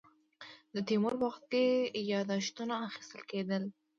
د تیمور په وخت کې یاداښتونه اخیستل کېدل.